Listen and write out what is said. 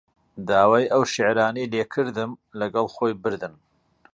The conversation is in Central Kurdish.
داوای ئەو شیعرانەی لێ کردم، لەگەڵ خۆی بردن